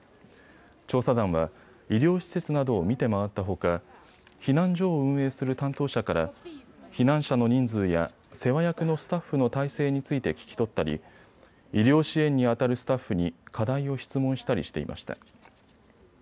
調査団は医療施設などを見て回ったほか避難所を運営する担当者から避難者の人数や世話役のスタッフの態勢について聞き取ったり医療支援にあたるスタッフに課題を質問したりしていました。